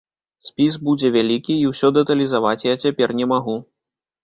Спіс будзе вялікі, і ўсё дэталізаваць я цяпер не магу.